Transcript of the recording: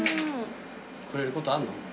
くれることあんの？